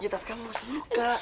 eh tapi kamu masih muka